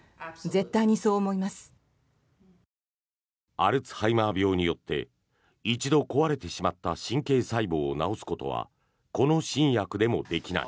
アルツハイマー病によって一度壊れてしまった神経細胞を治すことはこの新薬でもできない。